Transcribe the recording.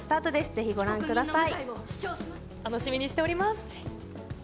ぜひご覧ください。